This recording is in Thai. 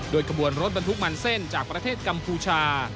ขบวนรถบรรทุกมันเส้นจากประเทศกัมพูชา